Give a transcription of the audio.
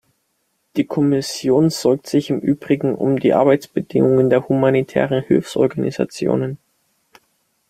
Die Kommission sorgt sich im übrigen um die Arbeitsbedingungen der humanitären Hilfsorganisationen.